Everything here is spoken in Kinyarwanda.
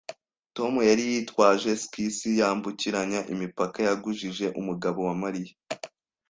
Tom yari yitwaje skisi yambukiranya imipaka yagujije umugabo wa Mariya